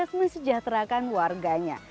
wisata umbo sukses mesejahterakan warganya